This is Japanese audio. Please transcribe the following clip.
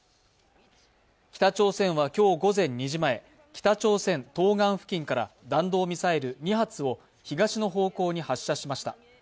北朝鮮は今日午前２時前、北朝鮮東岸付近から弾道ミサイル２発を東の方向に発射しました。